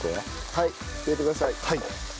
はい入れてください。